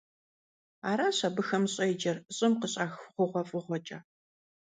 Araş abıxem ş'êcer ş'ım khış'ax xhuğuef'ığuexeç'e.